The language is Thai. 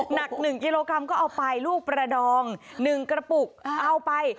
หนัก๑กิโลกรัมก็เอาไปลูกประดอง๑กระปุกเอาไป